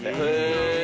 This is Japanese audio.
へえ。